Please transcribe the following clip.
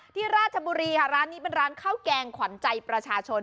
ราชบุรีค่ะร้านนี้เป็นร้านข้าวแกงขวัญใจประชาชน